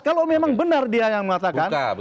kalau memang benar dia yang mengatakan